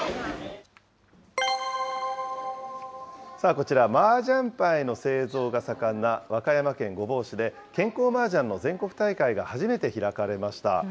こちら、マージャン牌の製造が盛んな和歌山県御坊市で、健康マージャンの全国大会が初めて開かれました。